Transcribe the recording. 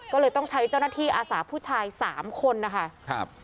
ก็เลยต้องใช้เจ้าหน้าที่อาสาผู้ชายสามคนนะคะครับ